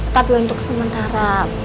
padahal untuk sementara